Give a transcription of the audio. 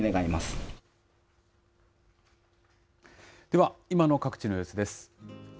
では今の各地の様子です。